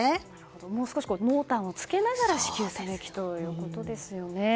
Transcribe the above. もう少し濃淡をつけながら支給ということですよね。